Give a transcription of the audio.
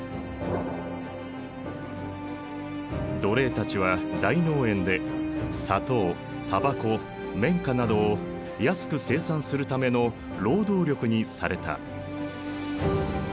奴隷たちは大農園で砂糖タバコ綿花などを安く生産するための労働力にされた。